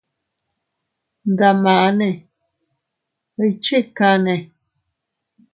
Ndamane, ¿iychikanne?